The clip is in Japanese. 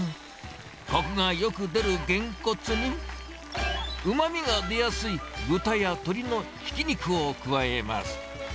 こくがよく出るゲンコツに、うまみが出やすい豚や鶏のひき肉を加えます。